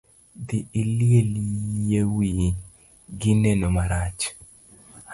Dhii iliel yie wiyi , gi neno marach.